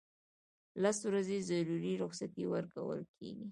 لس ورځې ضروري رخصتۍ ورکول کیږي.